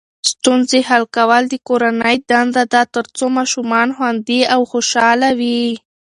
ستونزې حل کول د کورنۍ دنده ده ترڅو ماشومان خوندي او خوشحاله وي.